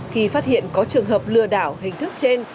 khi phát hiện có trường hợp lừa đảo hình thức trên